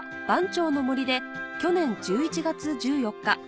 番町の森で去年１１月１４日